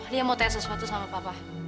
lia mau tanya sesuatu sama papa